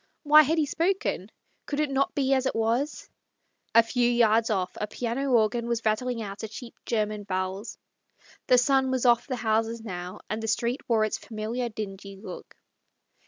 .. Why had he spoken ? Could it not be as it was ?... A few yards out a piano organ was rattling out a cheap German valse. The sun was off the houses now, and the street wore its familiar, dingy look.